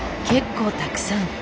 結構たくさん。